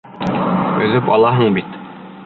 Өҙөп алаһың бит!